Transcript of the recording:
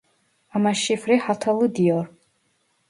Ama şifre hatalı diyor